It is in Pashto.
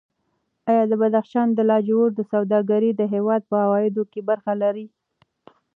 ایا د بدخشان د لاجوردو سوداګري د هېواد په عوایدو کې برخه لري؟